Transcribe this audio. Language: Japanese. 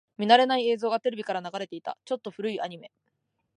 見慣れない映像がテレビから流れていた。ちょっと古いアニメ。